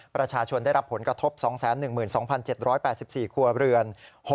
ประชาชนได้รับผลกระทบ๒๑๒๗๘๔ครัวเรือน